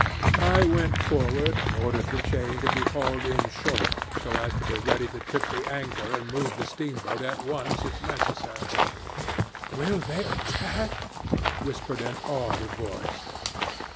"I went forward, and ordered the chain to be hauled in short, so as to be ready to trip the anchor and move the steamboat at once if necessary. 'Will they attack?' whispered an awed voice.